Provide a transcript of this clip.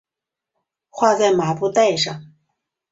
画在麻布袋上